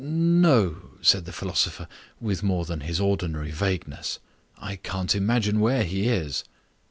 "N no," said the philosopher, with more than his ordinary vagueness. "I can't imagine where he is."